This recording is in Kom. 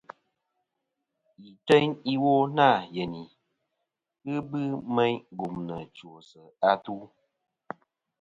Yì teyn iwo nâ yenì , ghɨ bɨ meyn gumnɨ chwosɨ atu.